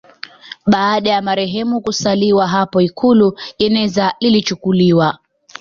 Baada ya marehemu kusaliwa hapo Ikulu jeneza lilichukuliwa